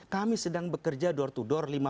kami sedang bekerja door to door